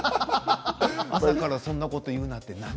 朝からそんなこと言うなって何？